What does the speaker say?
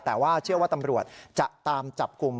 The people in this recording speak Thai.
แต่ว่าเชื่อว่าตำรวจจะตามจับกลุ่ม